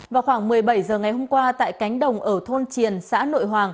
vào khoảng một mươi bảy h ngày hôm qua tại cánh đồng ở thôn triền xã nội hoàng